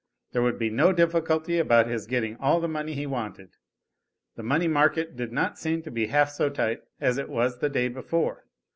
There would be no difficulty about his getting all the money he wanted. The money market did not seem to be half so tight as it was the day before.